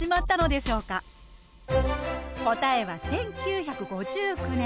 答えは１９５９年。